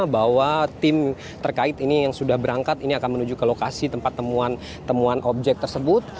bahwa tim terkait ini yang sudah berangkat ini akan menuju ke lokasi tempat temuan objek tersebut